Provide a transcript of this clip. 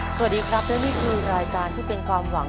สวัสดีครับและนี่คือรายการที่เป็นความหวัง